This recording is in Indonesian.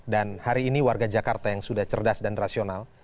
dan hari ini warga jakarta yang sudah cerdas dan rasional